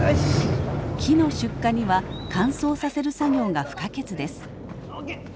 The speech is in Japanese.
木の出荷には乾燥させる作業が不可欠です。